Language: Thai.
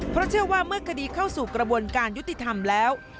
เพราะเชื่อว่าเมื่อคดีเข้าสู่กระบวนการยุติธรรมแล้ว